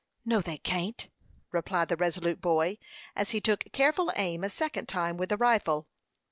"No, they can't," replied the resolute boy, as he took careful aim a second time with the rifle.